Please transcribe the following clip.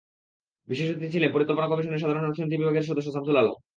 বিশেষ অতিথি ছিলেন পরিকল্পনা কমিশনের সাধারণ অর্থনীতি বিভাগের সদস্য শামসুল আলম।